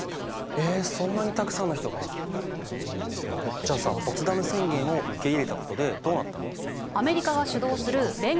じゃあさポツダム宣言を受け入れたことでどうなったの？